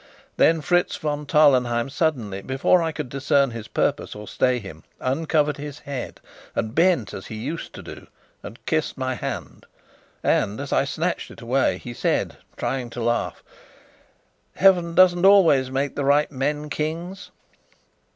Then Fritz von Tarlenheim suddenly, before I could discern his purpose or stay him, uncovered his head and bent as he used to do, and kissed my hand; and as I snatched it away, he said, trying to laugh: "Heaven doesn't always make the right men kings!"